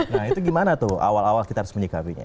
nah itu gimana tuh awal awal kita harus menyikapinya